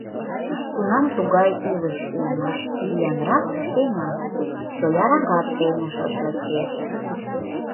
Тунам тугай илыш улмаш: виянрак сеҥа, чояракат сеҥышыш лектеш...